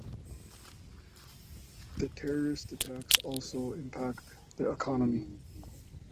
The terrorist attacks also impacted the economy.